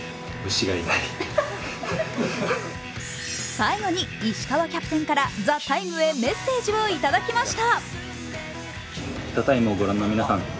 最後に石川キャプテンから「ＴＨＥＴＩＭＥ，」へメッセージをいただきました。